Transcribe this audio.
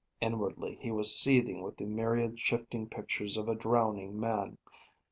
Inwardly he was seething with the myriad shifting pictures of a drowning man.